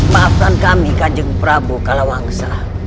maafkan kami kajeng prabu kalawangsa